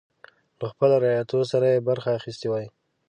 له خپلو رعیتو سره یې برخه اخیستې وای.